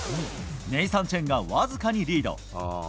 ネイサン・チェンがわずかにリード。